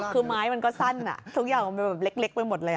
คือไม้มันก็สั้นทุกอย่างมันแบบเล็กไปหมดเลย